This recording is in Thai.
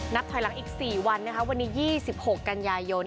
ถอยหลังอีก๔วันวันนี้๒๖กันยายน